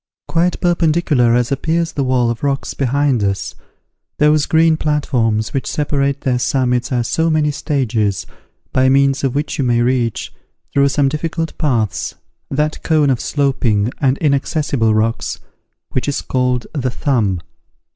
Quite perpendicular as appears the wall of rocks behind us, those green platforms which separate their summits are so many stages, by means of which you may reach, through some difficult paths, that cone of sloping and inaccessible rocks, which is called The Thumb.